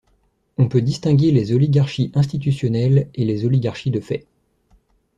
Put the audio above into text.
On peut distinguer les oligarchies institutionnelles et les oligarchies de fait.